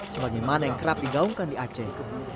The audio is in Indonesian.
sebagaimana yang kerap digaungkan di aceh